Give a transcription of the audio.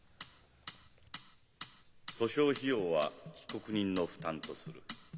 「訴訟費用は被告人の負担とする。